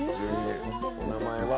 お名前は？